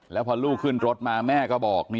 พอเราจอดรถมุมนี้เรามองเห็นเนี่ย